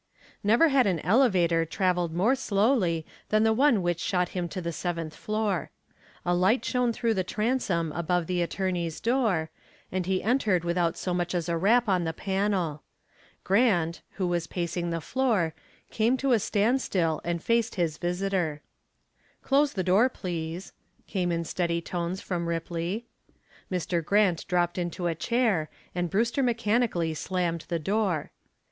Never had an elevator traveled more slowly than the one which shot him to the seventh floor. A light shone through the transom above the attorneys' door and he entered without so much as a rap on the panel. Grant, who was pacing the floor, came to a standstill and faced his visitor. "Close the door, please," came in steady tones from Ripley. Mr. Grant dropped into a chair and Brewster mechanically slammed the door.